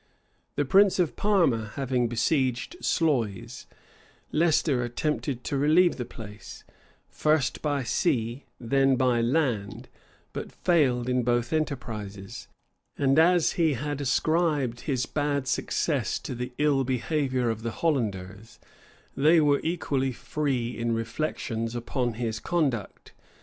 The prince of Parma having besieged Sluys, Leicester attempted to relieve the place, first by sea, then by land; but failed in both enterprises; and as he ascribed his bad success to the ill behavior of the Hollanders, they were equally free in reflections upon his conduct.